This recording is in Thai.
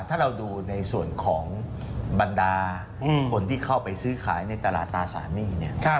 ถ้าเราดูในส่วนของบรรดาคนที่เข้าไปซื้อขายในตลาดตราสารหนี้เนี่ย